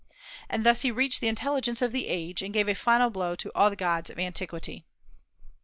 And thus he reached the intelligence of the age, and gave a final blow to all the gods of antiquity.